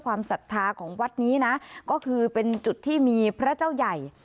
ศรัทธาของวัดนี้นะก็คือเป็นจุดที่มีพระเจ้าใหญ่